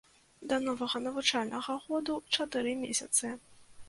Да новага навучальнага году чатыры месяцы!